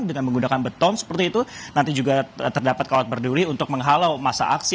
dengan menggunakan beton seperti itu nanti juga terdapat kawat berduri untuk menghalau masa aksi